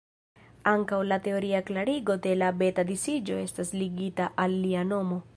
Ankaŭ la teoria klarigo de la beta-disiĝo estas ligita al lia nomo.